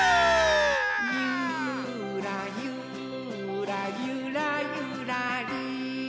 「ゆーらゆーらゆらゆらりー」